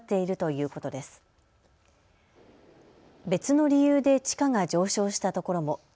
別の理由で地価が上昇したところも。